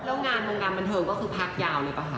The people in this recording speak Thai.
แล้วงานวงการบันเทิงก็คือพักยาวหรือเปล่าคะ